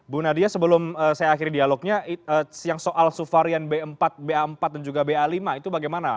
bu nadia sebelum saya akhiri dialognya yang soal suvarian b empat ba empat dan juga ba lima itu bagaimana